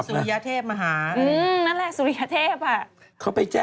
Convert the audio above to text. สวัสดีค่ะ